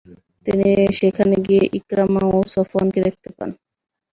তিনি সেখানে গিয়ে ইকরামা ও সফওয়ানকে দেখতে পান।